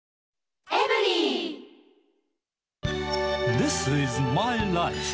ディス・イズ・マイ・ライフ。